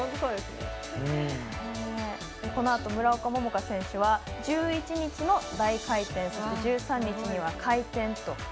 このあと、村岡桃佳選手は１１日の大回転そして１３日には回転と。